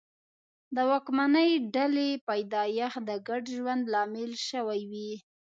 د واکمنې ډلې پیدایښت د ګډ ژوند لامل شوي وي.